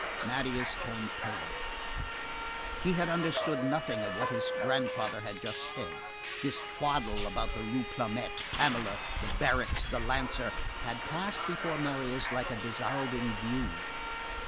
Marius turned pale. He had understood nothing of what his grandfather had just said. This twaddle about the Rue Blomet, Pamela, the barracks, the lancer, had passed before Marius like a dissolving view.